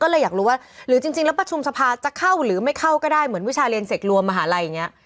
ก็เลยอยากรู้ว่าหรือจริงแล้วประชุมสภาจะเข้าหรือไม่เข้าก็ได้เหมือนวิชาเรียนเสกรวมมหาลัยอย่างนี้